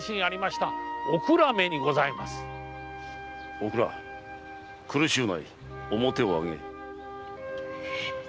おくら苦しゅうない面を上げよ。へへっ。